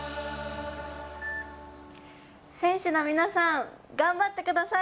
選手の皆さん、頑張ってください。